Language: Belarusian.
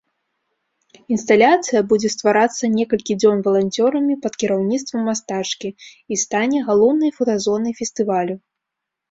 Інсталяцыя будзе стварацца некалькі дзён валанцёрамі пад кіраўніцтвам мастачкі і стане галоўнай фотазонай фестывалю.